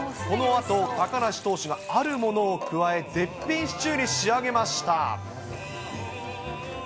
このあと、高梨投手があるものを加え、絶品シチューに仕上げました。